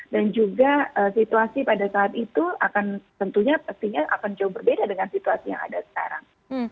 dan juga situasi pada saat itu akan jauh berbeda dengan situasi yang ada sekarang